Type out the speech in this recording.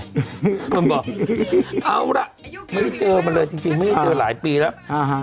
มันบอกเอาล่ะไม่ได้เจอมันเลยจริงไม่ได้เจอหลายปีแล้ว